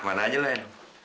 gimana aja lah hen